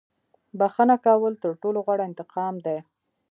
• بښنه کول تر ټولو غوره انتقام دی.